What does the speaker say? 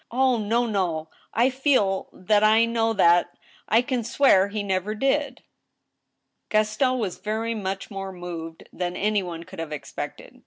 ... Oh, no — no ! I feel that I know that, ... I can swear he never did !" THE TRIAL, 197 Gaston was very much more moved than any one could have expected.